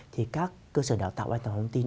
thì các cơ sở đào tạo an toàn thông tin